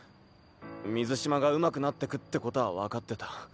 水嶋が上手くなってくってことはわかってた。